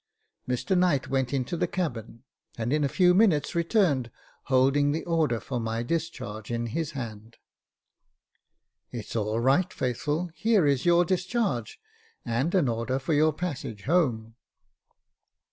Mr Knight went into the cabin, and in a few minutes returned, holding the order for my discharge in his hand. J.F. 2 A 370 Jacob Faithful " It's all right, Faithful, here is your discharge, and an order for your passage home."